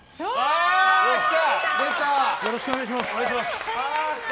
よろしくお願いします。